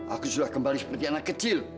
aku sudah kembali seperti anak kecil